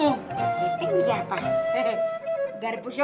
gaping jadi garpu aja